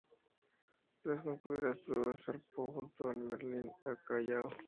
Tras concluir las pruebas, zarpó junto al "Merlín" al Callao.